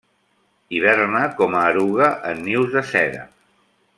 Hiberna com a eruga en nius de seda.